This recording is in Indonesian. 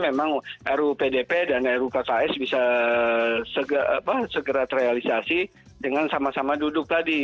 memang ruu pdp dan ruu kks bisa segera terrealisasi dengan sama sama duduk tadi